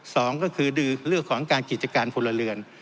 สองก็คือเลือกของการกิจการภูระเลือน